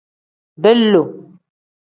Beeloo.